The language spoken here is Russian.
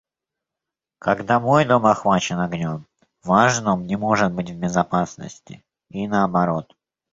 Когда мой дом охвачен огнем, ваш дом не может быть в безопасности, и наоборот.